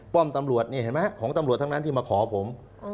ป้อมตำรวจเห็นหรือไม่ครับของตำรวจทั้งนั้นที่มาขอผม